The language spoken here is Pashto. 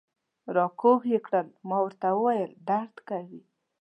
را کږ یې کړل، ما ورته وویل: درد کوي.